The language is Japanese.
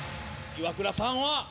イワクラさんは。